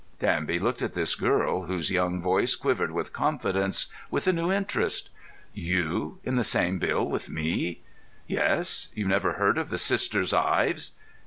Danby looked at this girl, whose young voice quivered with confidence, with a new interest. "You in the same bill with me!" "Yes. You've never heard of the Sisters Ives?"